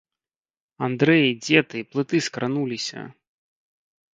Андрэй, дзе ты, плыты скрануліся.